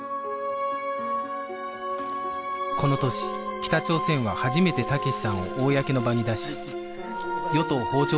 この年北朝鮮は初めて武志さんを公の場に出し与党訪朝団の団長